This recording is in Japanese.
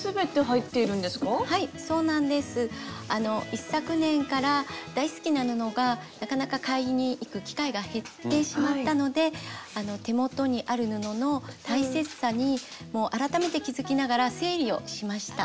一昨年から大好きな布がなかなか買いに行く機会が減ってしまったので手元にある布の大切さにもう改めて気付きながら整理をしました。